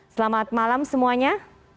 selamat malam semuanya